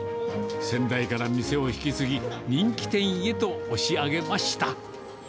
先代から店を引き継ぎ、人気店へと押し上げました。